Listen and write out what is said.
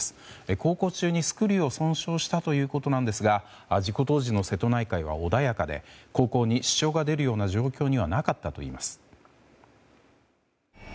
航行中にスクリューを損傷したということなんですが事故当時の瀬戸内海は穏やかで航行に支障が出る状況ではなかったといいます。